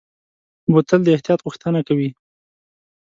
بوتل د احتیاط غوښتنه کوي.